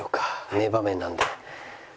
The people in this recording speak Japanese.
名場面なので。